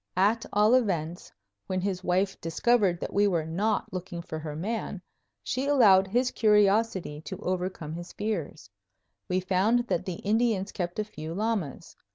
At all events, when his wife discovered that we were not looking for her man, she allowed his curiosity to overcome his fears. We found that the Indians kept a few llamas.